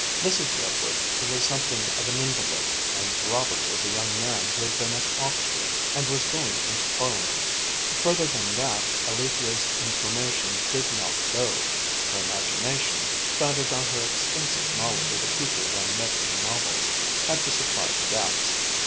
Mrs. Bludward was something of an invalid, and Robert was a young man who had been at Oxford and was going into Parliament. Further than that Alethia's information did not go; her imagination, founded on her extensive knowledge of the people one met in novels, had to supply the gaps.